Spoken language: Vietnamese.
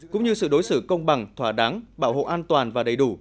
cũng như sự đối xử công bằng thỏa đáng bảo hộ an toàn và đầy đủ